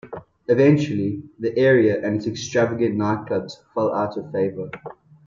Eventually, the area and its extravagant nightclubs fell out of favor.